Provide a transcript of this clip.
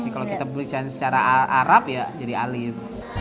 kalau kita berbicara secara arab ya jadi alif